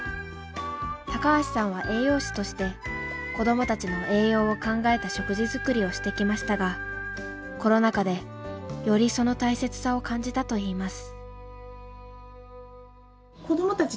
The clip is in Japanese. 高橋さんは栄養士として子どもたちの栄養を考えた食事作りをしてきましたがコロナ禍でよりその大切さを感じたと言います。